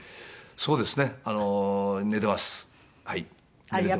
そうですよね。